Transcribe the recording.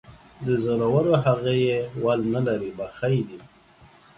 د زورورهغې ول نه لري ،بخۍ دى.